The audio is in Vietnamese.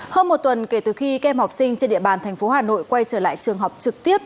hôm một tuần kể từ khi kem học sinh trên địa bàn thành phố hà nội quay trở lại trường học trực tiếp